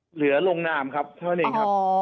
พอเหลือลงนามครับเท่านั้นเองครับ